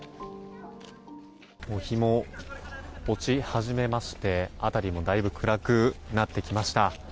日も落ち始めまして辺りもだいぶ暗くなってきました。